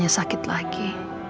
dua itu satu juga